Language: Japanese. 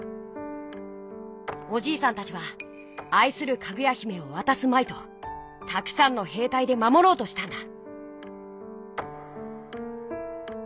おじいさんたちはあいするかぐや姫をわたすまいとたくさんのへいたいでまもろうとしたんだ。